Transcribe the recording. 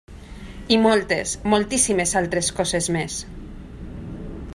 I moltes, moltíssimes altres coses més!